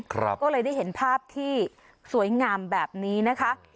ก็เลยได้เห็นภาพที่สวยงามแบบนี้นะคะ